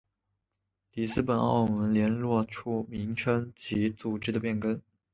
里斯本澳门联络处名称及组织的变更。